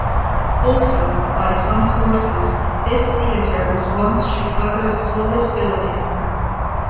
Also, by some sources, this theater was once Chicago's tallest building.